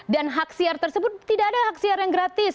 dan haksiar tersebut tidak ada haksiar yang gratis